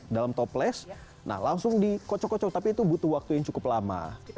dalam toples nah langsung dikocok kocok tapi itu butuh waktu yang cukup lama